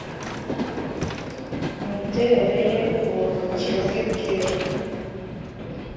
Imiterere ye kuburuhukiro bwe bwera